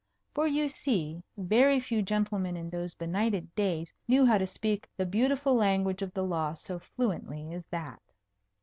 For you see, very few gentlemen in those benighted days knew how to speak the beautiful language of the law so fluently as that.